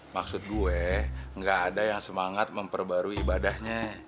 maksud gue gak ada yang semangat memperbarui ibadahnya